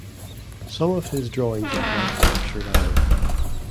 Some of his drawings of life there survive.